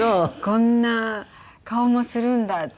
こんな顔もするんだっていって。